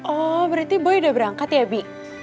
oh berarti boy udah berangkat ya bi